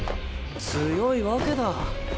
強いわけだ。